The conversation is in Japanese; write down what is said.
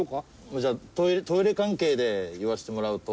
じゃあトイレ関係で言わせてもらうと。